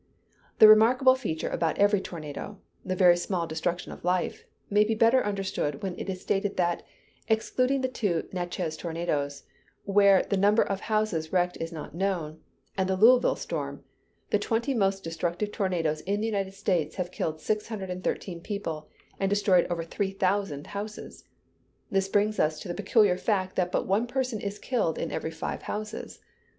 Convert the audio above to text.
The remarkable feature about every tornado the very small destruction of life may be better understood when it is stated that, excluding the two Natchez tornadoes, where the number of houses wrecked is not known, and the Louisville storm, the twenty most destructive tornadoes in the United States have killed six hundred and thirteen people, and destroyed over three thousand houses. This brings us to the peculiar fact that but one person is killed in every five houses.